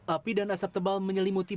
api dan asap tebal menyelimuti